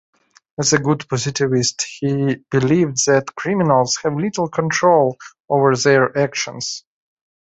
As a good positivist, he believed that criminals have little control over their actions.